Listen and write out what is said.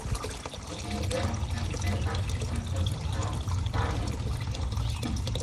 এটি হয়ে ওঠে মুরের বাকি জীবনের জন্যে তার বাড়ি এবং কর্মশালা।